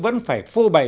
vẫn phải phô bày